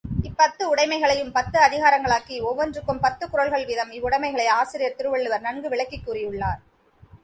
இப்பத்து உடைமைகளையும் பத்து அதிகாரங்களாக்கி ஒவ்வொன்றுக்கும் பத்துக் குறள்கள் வீதம் இவ்வுடைமைகளை ஆசிரியர் திருள்ளுவர் நன்கு விளக்கிக் கூறியுள்ளார்.